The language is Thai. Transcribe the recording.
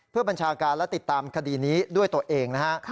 เพื่อบัญชาการและติดตามคดีนี้ด้วยตัวเองนะฮะ